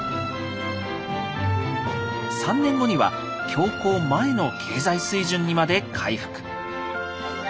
３年後には恐慌前の経済水準にまで回復。